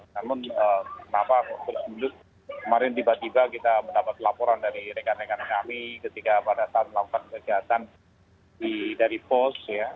namun kenapa berjudut kemarin tiba tiba kita mendapat laporan dari rekan rekan kami ketika pada saat melakukan kejahatan dari pos